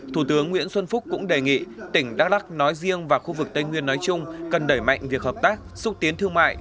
thủ tướng nguyễn xuân phúc cũng đề nghị tỉnh đắk lắc nói riêng và khu vực tây nguyên nói chung cần đẩy mạnh việc hợp tác xúc tiến thương mại